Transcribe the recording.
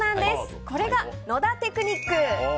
これが野田テクニック！